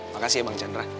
makasih ya bang candra